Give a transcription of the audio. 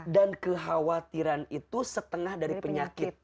dan kekhawatiran itu setengah dari penyakit